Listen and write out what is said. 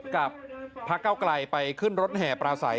กับพักเก้าไกลไปขึ้นรถแห่ปราศัย